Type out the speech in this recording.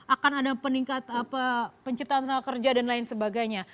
akan ada peningkat penciptaan kerja dan lain sebagainya